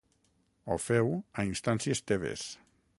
Ho feu a instàncies teves.